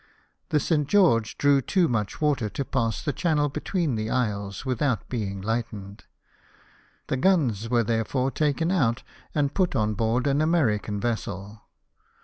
The St George drew too much water to pass the channel between the isles without being lightened ; the guns were therefore taken out, and put on board an American vessel.